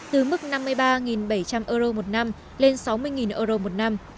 từ mức năm mươi ba bảy trăm linh euro một năm lên sáu mươi euro một năm